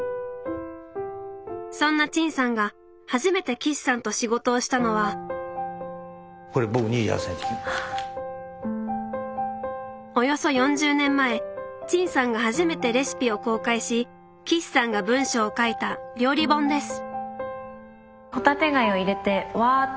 そんな陳さんが初めて岸さんと仕事をしたのはおよそ４０年前陳さんが初めてレシピを公開し岸さんが文章を書いた料理本です